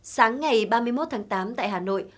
sáng ngày ba mươi một tháng tám tại hà nội